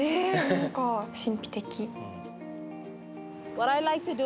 何か神秘的。